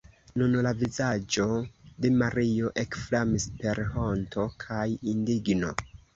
Nun la vizaĝo de Mario ekflamis per honto kaj indigno.